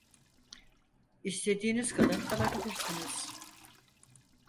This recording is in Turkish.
İstediğiniz kadar kalabilirsiniz.